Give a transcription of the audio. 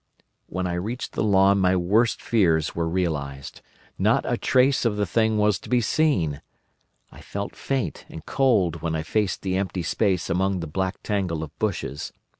"When I reached the lawn my worst fears were realised. Not a trace of the thing was to be seen. I felt faint and cold when I faced the empty space among the black tangle of bushes.